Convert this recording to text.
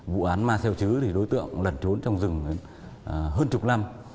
vụ án mà xeo chứ thì đối tượng lần trốn trong rừng hơn chục năm